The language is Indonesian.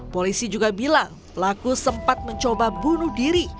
polisi juga bilang pelaku sempat mencoba bunuh diri